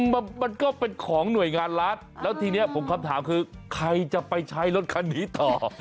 มันมันก็เป็นของหน่วยงานรัฐแล้วทีนี้ผมคำถามคือใครจะไปใช้รถคันนี้ต่อ